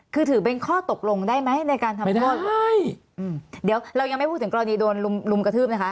คือถือเป็นข้อตกลงได้ไหมในการทำโทษไม่อืมเดี๋ยวเรายังไม่พูดถึงกรณีโดนลุมลุมกระทืบนะคะ